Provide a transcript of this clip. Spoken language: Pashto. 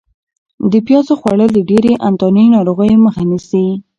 د پیازو خوړل د ډېرو انتاني ناروغیو مخه نیسي.